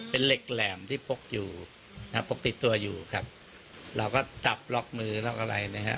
เป็นเหล็กแหลมที่พกอยู่นะฮะพกติดตัวอยู่ครับเราก็จับล็อกมือล็อกอะไรนะฮะ